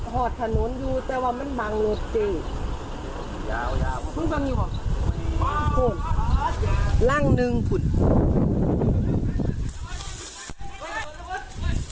หอดถนนอยู่แต่ว่าไม่มันบังรถเจนยาวยาวลั่งดึงผุ่น